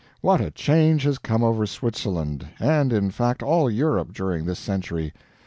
What a change has come over Switzerland, and in fact all Europe, during this century!